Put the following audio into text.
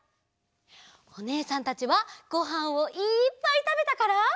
おねえさんたちはごはんをいっぱいたべたから。